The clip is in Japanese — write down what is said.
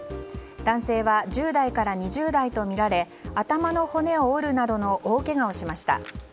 男性は１０代から２０代とみられ頭の骨を折るなどの大けがをしました。